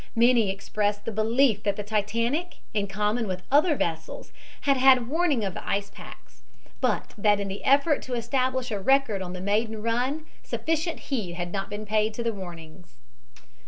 Many expressed the belief that the Titanic, in common with other vessels, had had warning of the ice packs, but that in the effort to establish a record on the maiden run sufficient heed had not been paid to the warnings.